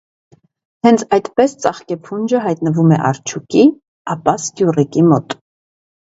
Հենց այդպես ծաղկեփունջը հայտնվում է արջուկի, ապա՝ սկյուռիկի մոտ։